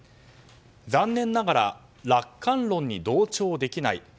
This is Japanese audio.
残念ながら楽観論に同調できない。